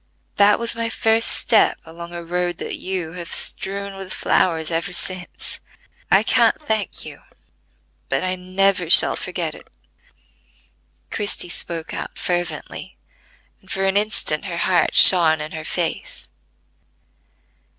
That was my first step along a road that you have strewn with flowers ever since. I can't thank you, but I never shall forget it." Christie spoke out fervently, and for an instant her heart shone in her face.